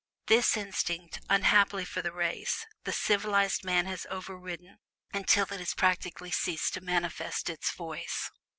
This instinct, unhappily for the race, the "civilized" man has overridden until it has practically ceased to manifest its voice.